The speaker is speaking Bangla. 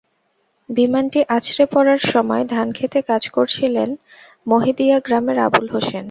বিমানটি আছড়ে পড়ার সময় ধানখেতে কাজ করছিলেন মাহিদিয়া গ্রামের আবুল হোসেন।